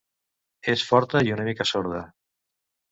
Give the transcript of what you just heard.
És forta i una mica sorda.